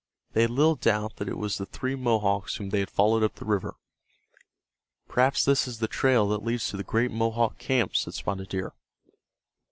They had little doubt that it was the three Mohawks whom they had followed up the river. "Perhaps this is the trail that leads to the great Mohawk camp," said Spotted Deer.